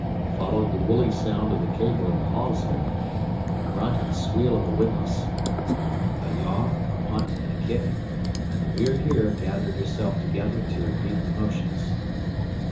Followed the woolly sound of the cable in the hawse hole; and a grunt and squeal of the windlass; a yaw, a punt, and a kick, and the We're Here gathered herself together to repeat the motions.